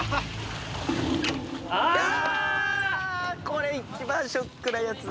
これ一番ショックなやつだ」